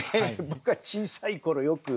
僕は小さい頃よく。